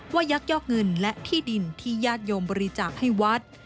ยักยอกเงินและที่ดินที่ญาติโยมบริจาคให้วัด